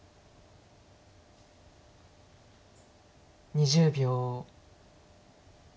２０秒。